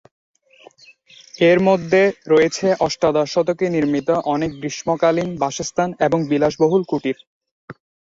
এর মধ্যে রয়েছে অষ্টাদশ শতকে নির্মীত অনেক গ্রীষ্মকালীন বাসস্থান এবং বিলাসবহুল কুটির।